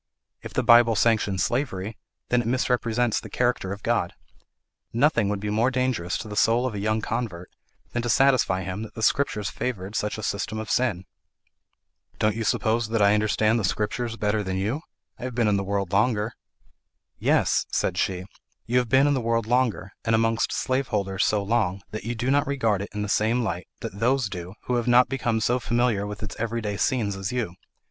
If the Bible sanctions slavery, then it misrepresents the character of God. Nothing would be more dangerous to the soul of a young convert than to satisfy him that the Scriptures favoured such a system of sin." "Don't you suppose that I understand the Scriptures better than you? I have been in the world longer." "Yes," said she, "you have been in the world longer, and amongst slaveholders so long that you do not regard it in the same light that those do who have not become so familiar with its every day scenes as you.